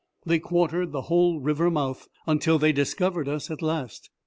They quartered the whole river mouth, until they discovered us at last.